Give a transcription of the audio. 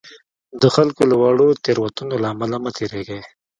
د خلکو له واړو تېروتنو له امله مه تېرېږئ.